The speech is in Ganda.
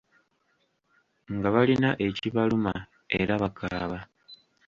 Nga balina ekibaluma era bakaaba.